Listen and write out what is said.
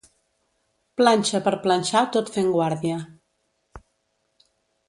Planxa per planxar tot fent guàrdia.